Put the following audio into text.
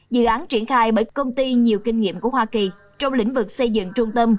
dự án triển khai bởi công ty nhiều kinh nghiệm của hoa kỳ trong lĩnh vực xây dựng trung tâm